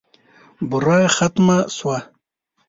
بوره ختمه شوه .